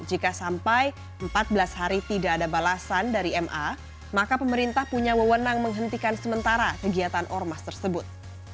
jika sampai empat belas hari tidak ada balasan dari ma maka pemerintah punya wewenang menghentikan sementara kegiatan ormas tersebut